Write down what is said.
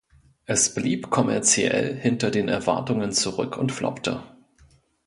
Es blieb kommerziell hinter den Erwartungen zurück und floppte.